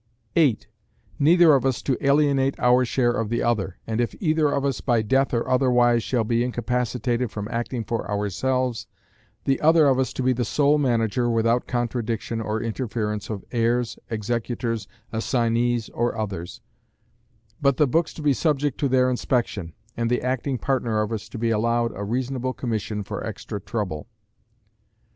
8. Neither of us to alienate our share of the other, and if either of us by death or otherwise shall be incapacitated from acting for ourselves, the other of us to be the sole manager without contradiction or interference of heirs, executors, assignees or others; but the books to be subject to their inspection, and the acting partner of us to be allowed a reasonable commission for extra trouble.